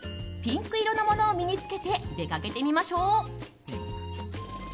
ピンク色のものを身に着けて出かけてみましょう。